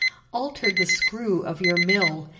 Alter the screw of your mill.